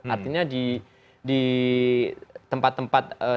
artinya di tempat tempat